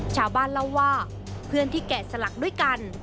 ชาวบ้านเล่าว่าเพื่อนที่แกะสลักด้วยกัน